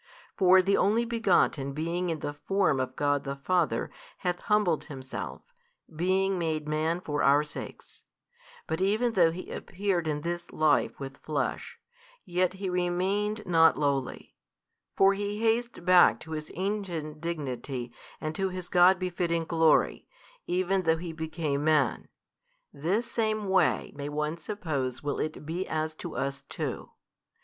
For the Only Begotten being in the Form of God the Father hath humbled Himself, being made Man for our sakes, but even though He appeared in this life with Flesh, yet He remained not lowly: for He hastes back to His ancient Dignity and to His God befitting glory, even though He became Man: this same way may one suppose will it be as to us too.